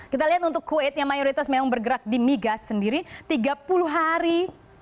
kita lihat untuk kuwait yang mayoritas memang bergerak di migas sendiri tiga puluh hari